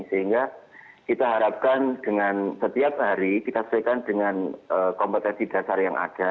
sehingga kita harapkan dengan setiap hari kita setiap hari kita setiap hari dengan kompetensi dasar yang ada